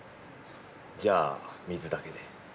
じゃあ水だけで。